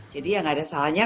jadi ya nggak ada salahnya